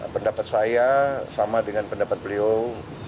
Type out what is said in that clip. pendapat saya sama dengan pendapat beliau